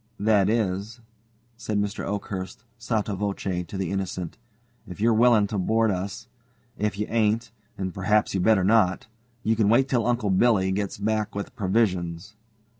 "That is," said Mr. Oakhurst, sotto voce to the Innocent, "if you're willing to board us. If you ain't and perhaps you'd better not you can wait till Uncle Billy gets back with provisions."